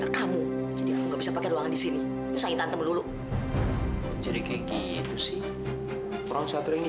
kamu bisa pakai ruangan di sini saya nanti melulu jadi kayak gitu sih orang satu ini